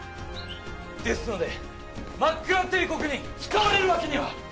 ですのでマックラ帝国に使われるわけには。